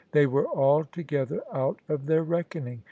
They were alto gether out of their reckoning.